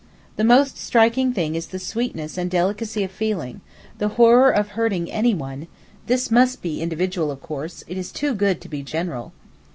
The most striking thing is the sweetness and delicacy of feeling—the horror of hurting anyone (this must be individual, of course: it is too good to be general).